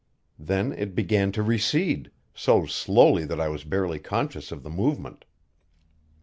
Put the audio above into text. Then it began to recede, so slowly that I was barely conscious of the movement.